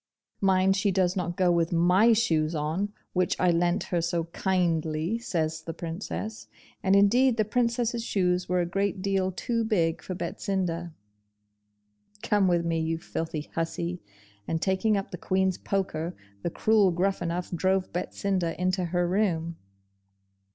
'Mind she does not go with MY shoes on, which I lent her so kindly,' says the Princess; and indeed the Princess's shoes were a great deal too big for Betsinda. 'Come with me, you filthy hussy!' and taking up the Queen's poker, the cruel Gruffanuff drove Betsinda into her room.